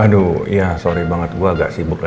k nova kasih nyebutnya itu tuh